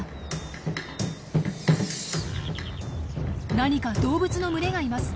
何か動物の群れがいます。